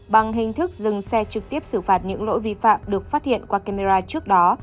bằng hình thức dừng xe trực tiếp xử phạt những lỗi vi phạm được phát hiện qua camera trước đó